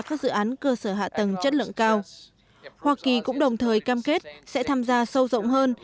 các dự án cơ sở hạ tầng chất lượng cao hoa kỳ cũng đồng thời cam kết sẽ tham gia sâu rộng hơn